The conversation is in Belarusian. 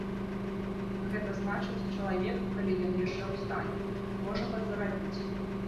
Гэта значыць, чалавек, калі ён яшчэ ў стане, можа падзарабіць.